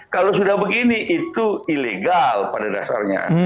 kalau sudah begini itu ilegal pada dasarnya